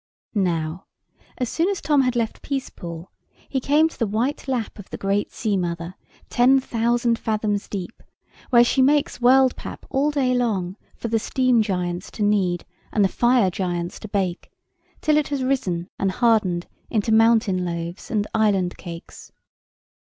Now, as soon as Tom had left Peacepool, he came to the white lap of the great sea mother, ten thousand fathoms deep; where she makes world pap all day long, for the steam giants to knead, and the fire giants to bake, till it has risen and hardened into mountain loaves and island cakes.